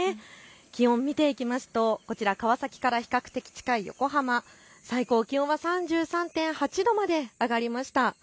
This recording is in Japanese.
気温見ていきますとこちら川崎から比較的近い横浜、最高気温は３３．８度まで上がりました。